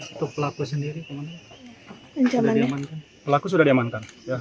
untuk pelaku sendiri kemana